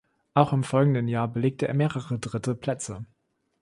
Auch im folgenden Jahr belegte er mehrere dritte Plätze.